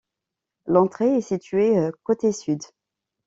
L'entrée est située côté sud.